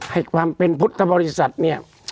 ให้ความเป็นพุทธบริษัทเนี่ย